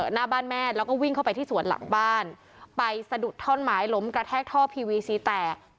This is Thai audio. หน้าบ้านแม่แล้วก็วิ่งเข้าไปที่สวนหลังบ้านไปสะดุดท่อนไม้ล้มกระแทกท่อพีวีซีแตก